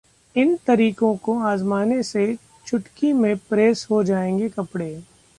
इन तरीकों को आजमाने से चुटकी में प्रेस हो जाएंगे कपड़े